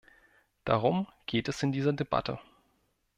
Darum geht es in dieser Debatte.